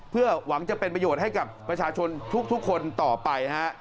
เพื่อหวังจะเป็นประโยชน์ให้กับประชาชนทุกคนต่อไปฮะ